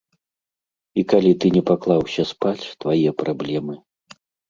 І калі ты не паклаўся спаць, твае праблемы.